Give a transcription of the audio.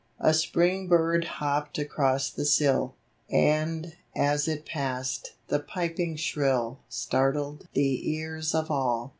A spring bird hopped across the sill, And, as it passed, the piping shrill Startled the ears of all.